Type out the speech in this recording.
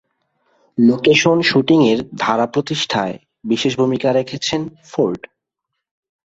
Location শুটিংয়ের ধারা প্রতিষ্ঠায় বিশেষ ভূমিকা রেখেছেন ফোর্ড।